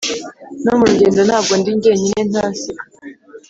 no mu rugendo ntabwo ndi njyenyine, ntansiga